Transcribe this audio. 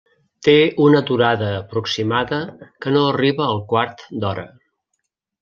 Té una durada aproximada que no arriba al quart d'hora.